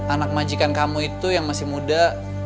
anak majikan kamu itu yang masih muda